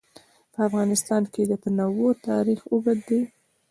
په افغانستان کې د تنوع تاریخ اوږد دی.